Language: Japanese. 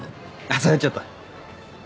それはちょっと。